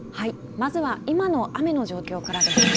まずは今の雨の状況からです。